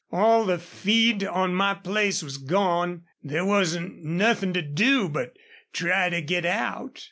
All the feed on my place was gone. There wasn't nothin' to do but try to git out.